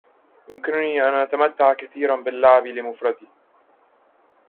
يمكنني أن أتمتّع كثير باللعب لمفردي.